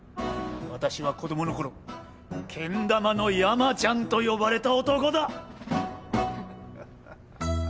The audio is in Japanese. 私は子供の頃けん玉の山ちゃんと呼ばれた男だ。